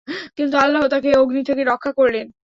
কিন্তু আল্লাহ তাকে অগ্নি থেকে রক্ষা করলেন।